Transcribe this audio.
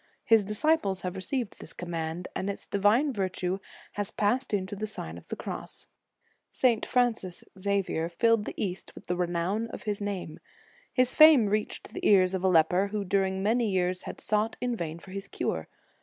His disciples have received this command, and its divine virtue has passed into the Sign of the Cross. St. Francis Xavier filled the East with the renown of his name. His fame reached the ears of a leper who during many years had sought in vain for his cure.